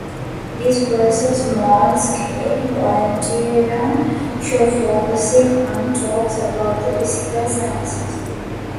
This was a small scale, volunteer-run show focusing on talks about the physical sciences.